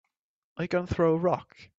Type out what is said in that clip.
Are you gonna throw a rock?